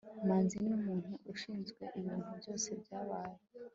manzi niwe muntu ushinzwe ibintu byose byabaye